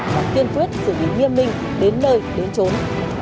và tuyên tuyết xử lý nghiêm minh đến nơi đến trốn